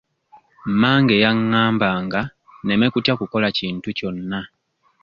Maama wange yangambanga nneme kutya kukola kintu kyonna.